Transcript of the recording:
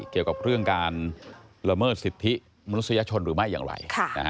เกี่ยวกับเรื่องการละเมิดสิทธิมนุษยชนหรือไม่อย่างไร